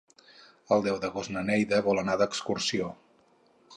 El deu d'agost na Neida vol anar d'excursió.